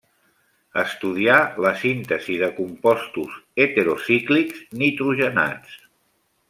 Estudià la síntesi de compostos heterocíclics nitrogenats.